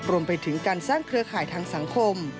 รวมไปถึงการสร้างเครือข่ายทางสังคม